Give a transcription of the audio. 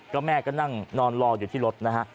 ก็แม่ก็นั่งนอนรออยู่ที่รถนะฮะ